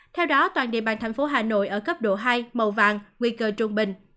theo đó toàn địa bàn thành phố hà nội ở cấp độ hai màu vàng nguy cơ trung bình